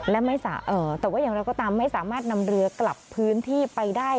แต่ว่าอย่างไรก็ตามไม่สามารถนำเรือกลับพื้นที่ไปได้